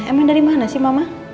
emang dari mana sih mama